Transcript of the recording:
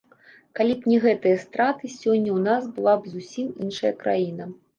Калі б не гэтыя страты, сёння ў нас была б зусім іншая краіна.